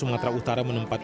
ya biasa nah tahap kading kids